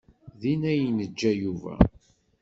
Din ay n-yeǧǧa Yuba.